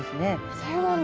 そうなんだ。